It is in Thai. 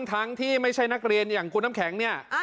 ทั้งที่ไม่ใช่นักเรียนอย่างคุณน้ำแข็งเนี่ย